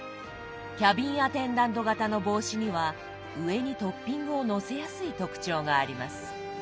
キャビンアテンダント型の帽子には上にトッピングをのせやすい特徴があります。